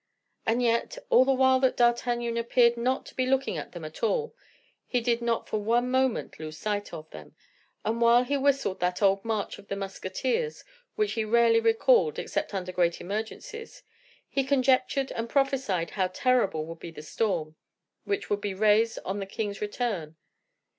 And yet, all the while that D'Artagnan appeared not to be looking at them at all, he did not for one moment lose sight of them, and while he whistled that old march of the musketeers, which he rarely recalled except under great emergencies, he conjectured and prophesied how terrible would be the storm which would be raised on the king's return.